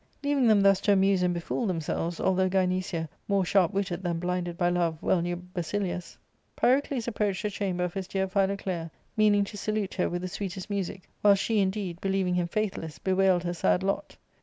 Leaving them thus to amuse and befool themselves, although Gynecia, more sharp witted than blinded by love, well knew Basilius, Pyrocles approached the chamber of his dear Philoclea, meaning to salute her with the sweetest music, while she indeed, believing him faithless, bewailed her sad lot.